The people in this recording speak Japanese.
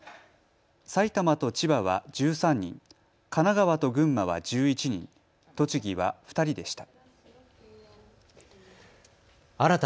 埼玉と千葉は１３人、神奈川と群馬は１１人、栃木は２人でした。